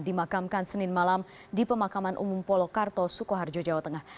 dimakamkan senin malam di pemakaman umum polokarto sukoharjo jawa tengah